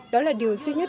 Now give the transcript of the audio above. đó là điều duy nhất